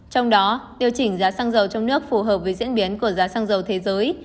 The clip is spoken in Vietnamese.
trong đó điều chỉnh giá xăng dầu trong nước phù hợp với diễn biến của giá xăng dầu thế giới